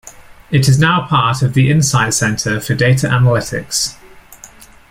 It is now part of the Insight Centre for Data Analytics.